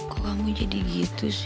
kok kamu jadi gitu sih